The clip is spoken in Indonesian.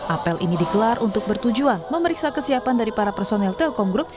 apel ini digelar untuk bertujuan memeriksa kesiapan dari para personel telkom group